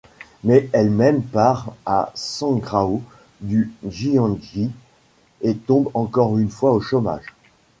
Mais elle-même part à Shangrao du Jiangxi et tombe encore une fois au chômage.